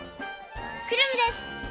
クラムです！